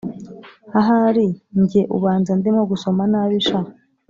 ahari njye ubanza ndimo gusoma nabi sha!